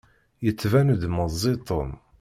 Yettban-d meẓẓi Tom.